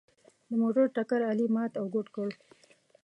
د موټر ټکر علي مات او ګوډ کړ.